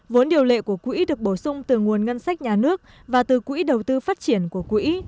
vốn điều lệ của quỹ được bổ sung từ nguồn ngân sách nhà nước và từ quỹ đầu tư phát triển của quỹ